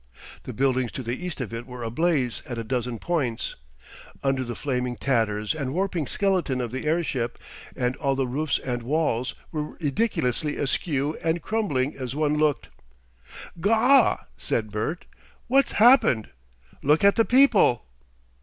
The buildings to the east of it were ablaze at a dozen points, under the flaming tatters and warping skeleton of the airship, and all the roofs and walls were ridiculously askew and crumbling as one looked. "Gaw!" said Bert. "What's happened? Look at the people!"